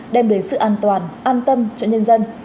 đem đến sự an toàn an tâm cho nhân dân